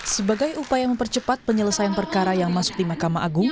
sebagai upaya mempercepat penyelesaian perkara yang masuk di mahkamah agung